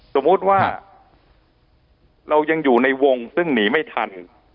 สมมุติว่าเรายังอยู่ในวงซึ่งหนีไม่ทัน